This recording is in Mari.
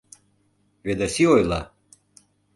Ведаси ойла: